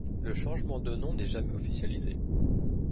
Le changement de nom n’est jamais officialisé.